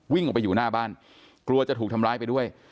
วิ่งออกไปอยู่หน้าบ้านกลัวจะถูกทำร้ายไปด้วย